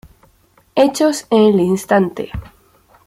Hechos en el instante